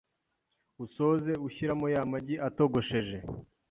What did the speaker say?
usoze ushyiramo ya magi atogosheje